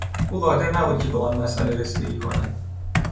او قادر نبود که به آن مسئله رسیدگی کند.